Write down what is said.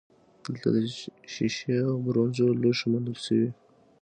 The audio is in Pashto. دلته د شیشې او برونزو لوښي موندل شوي